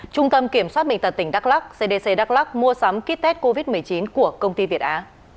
trung tâm kiểm soát bệnh tật tỉnh đắk lắc cdc đắk lắc mua sắm kit test covid một mươi chín của công ty việt á